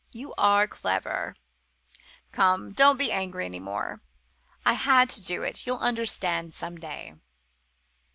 You are clever. Come don't be angry any more I had to do it you'll understand some day."